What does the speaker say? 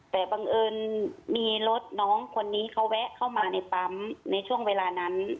แต่บังเอิญมีรถน้องคนนี้เขาแวะเข้ามาในปั๊มในช่วงเวลานั้น